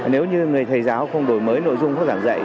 nếu như người thầy giáo không đổi mới nội dung thuốc giảng dạy